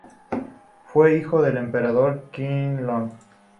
Fue hijo del emperador Qianlong.